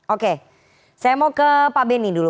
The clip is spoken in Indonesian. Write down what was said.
oke saya mau ke pak beni dulu